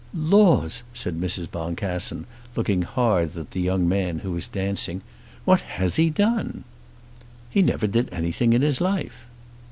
"Laws!" said Mrs. Boncassen, looking hard at the young man who was dancing. "What has he done?" "He never did anything in his life."